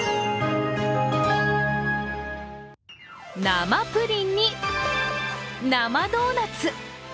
生プリンに、生ドーナツ。